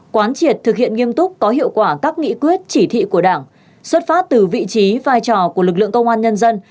quán triệt thực hiện nghiêm túc có hiệu quả các nghị quyết chỉ thị của đảng xuất phát từ vị trí vai trò của lực lượng công an nhân dân